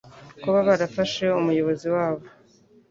kuba barafashe umuyobozi wabo